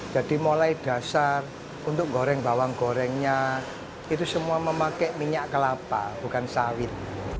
jadi mulai dasar untuk goreng bawang gorengnya itu semua memakai minyak kelapa bukan sawit